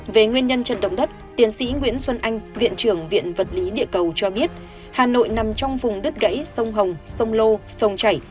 về nguyên nhân trận động đất tiến sĩ nguyễn xuân anh viện trưởng viện vật lý địa cầu cho biết hà nội nằm trong vùng đất gãy sông hồng sông lô sông chảy